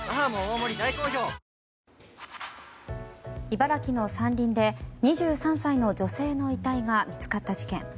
茨城の山林で２３歳の女性の遺体が見つかった事件。